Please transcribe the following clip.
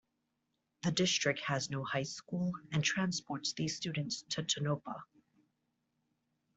The district has no high school and transports these students to Tonopah.